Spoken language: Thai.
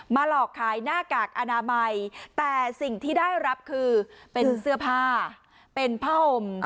หลอกขายหน้ากากอนามัยแต่สิ่งที่ได้รับคือเป็นเสื้อผ้าเป็นผ้าห่ม